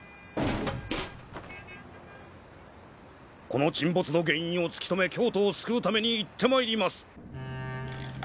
この沈没の原因を突き止め京都を救うために行ってまいります。